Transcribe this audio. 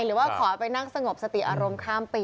หรือว่าขอให้ไปนั่งสงบสติอารมณ์ข้ามปี